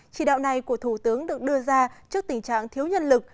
chỉ đạo này của thủ tướng được đưa ra trước tình trạng thiếu nhân lực